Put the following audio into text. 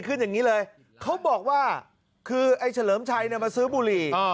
ขึ้นอย่างนี้เลยเขาบอกว่าคือไอ้เฉลิมชัยมาซื้อบุหรี่